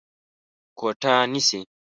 کوټه نيسې؟